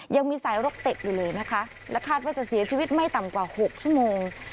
ยังมีสายรกติดอยู่เลยนะคะและคาดว่าจะเสียชีวิตไม่ต่ำกว่า๖ชั่วโมง